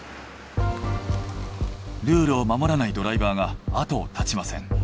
ルールを守らないドライバーが後を絶ちません。